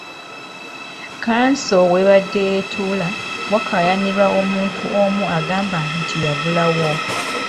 Kkanso w'ebadde etuula wakayanirwa omuntu omu agamba nti yagulawo.